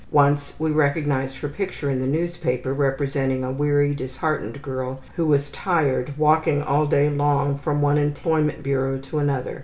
Once we recognized her picture in the newspaper representing a weary, disheartened girl who was tired walking all day long from one employment bureau to another.